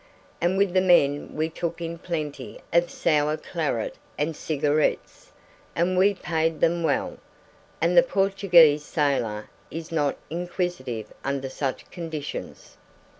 And with the men we took in plenty of sour claret and cigarettes; and we paid them well; and the Portuguese sailor is not inquisitive under such conditions.